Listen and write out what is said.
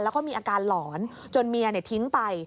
แล้วก็มีอาการหลอนจนเมียทิ้งไป